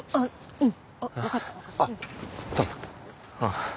うん。